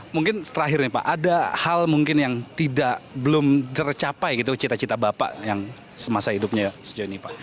mungkin terakhir nih pak ada hal mungkin yang belum tercapai gitu cita cita bapak yang semasa hidupnya sejauh ini pak